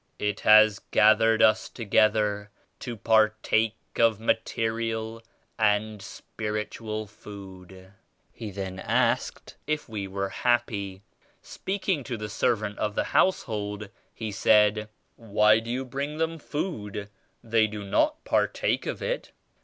It has gafhered us together to partake of material and spiritual food." He then asked if we were * 'happy." Speaking to the servant of the Household he said, "Why do you bring them food? They do not partake of it."